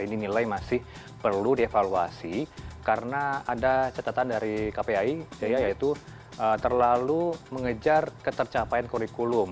ini nilai masih perlu dievaluasi karena ada catatan dari kpai yaitu terlalu mengejar ketercapaian kurikulum